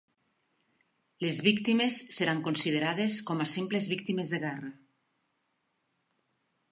Les víctimes seran considerades com a simples víctimes de guerra.